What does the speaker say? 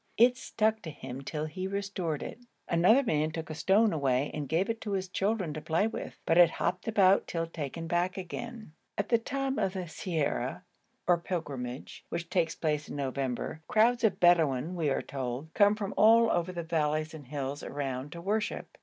It stuck to him till he restored it. Another man took a stone away and gave it to his children to play with, but it hopped about till taken back again. At the time of the ziara or pilgrimage which takes place in November, crowds of Bedouin, we were told, come from all the valleys and hills around to worship.